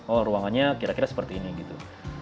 oh ruangannya kira kira seperti ini gitu